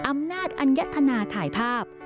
อำนาจอัญญธนาถ่ายภาพ